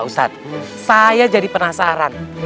ustadz saya jadi penasaran